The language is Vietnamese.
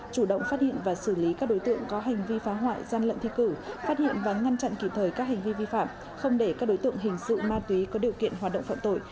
chủ động phát hiện và xử lý các đối tượng có hành vi phá hoại gian lận thi cử phát hiện và ngăn chặn kịp thời các hành vi vi phạm không để các đối tượng hình sự ma túy có điều kiện hoạt động phạm tội